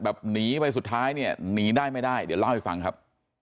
หนีไปสุดท้ายเนี่ยหนีได้ไม่ได้เดี๋ยวเล่าให้ฟังครับ